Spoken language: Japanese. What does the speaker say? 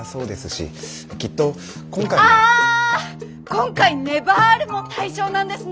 今回ネヴァールも対象なんですね。